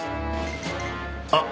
あっ！